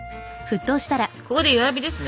ここで弱火ですね。